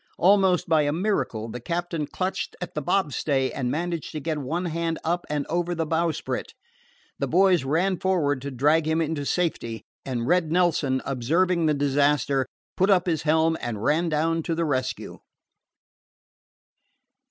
Almost by a miracle, the captain clutched at the bobstay and managed to get one hand up and over the bowsprit. The boys ran forward to drag him into safety, and Red Nelson, observing the disaster, put up his helm and ran down to the rescue.